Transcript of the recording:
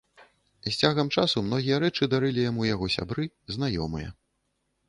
З цягам часу многія рэчы дарылі яму яго сябры, знаёмыя.